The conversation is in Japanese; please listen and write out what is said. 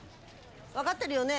分かってるよね？